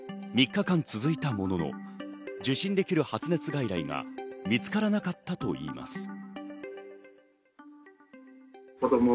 ３日間続いたものの、受診できる発熱外来が見つからなかったといいます。